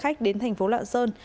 khách đến thành phố lạ sơn